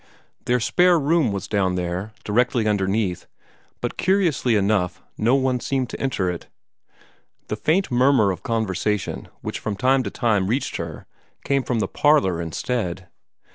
Their spare room was down there, directly underneath, but curiously enough no one seemed to enter it. The faint murmur of conversation which from time to time reached her came from the parlor instead.